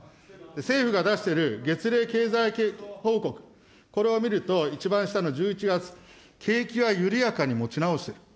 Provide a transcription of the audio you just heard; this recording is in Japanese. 政府が出している月例経済報告、これを見ると、一番下の１１月、景気は緩やかに持ち直している。